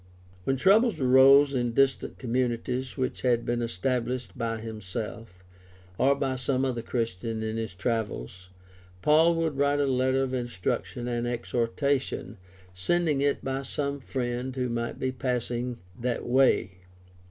When troubles arose in distant communities which had been established by himself, or by some other Christian in his travels, Paul would write a letter of instruction and exhortation, sending it by some friend who might be passing that way.